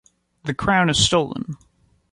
The crown is stolen!